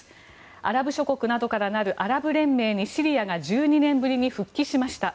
アラブ諸国などから成るアラブ連盟にシリアが１２年ぶりに復帰しました。